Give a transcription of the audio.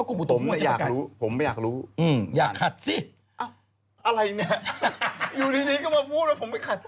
อยู่ทีดีก็มาพูดว่าผมไม่ขัด